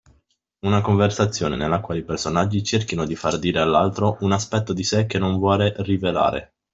Una conversazione nella quale i personaggi cerchino di far dire all’altro un aspetto di sé che non vuole rivelare